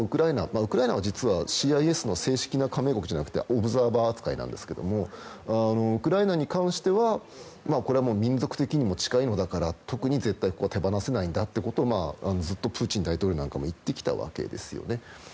ウクライナは実はＣＩＳの正式な加盟国ではなくてオブザーバー扱いなんですけどウクライナに関してはこれは、民族的にも近いのだから特に絶対に手放せないんだってことをずっとプーチン大統領なんかも言ってきたわけですよね。